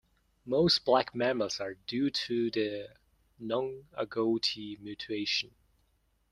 Most black mammals are due to the non-agouti mutation.